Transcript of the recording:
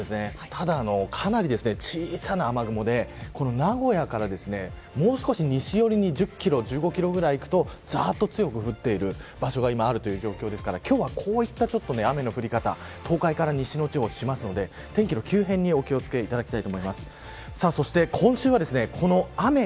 ただ、かなり小さな雨雲で名古屋からもう少し西寄りに１０キロ２０キロくらいいくと強く降っている場所がある状況ですからこういった雨の降り方は東海から西の地方ではしますので天気の急変にお気を付けください。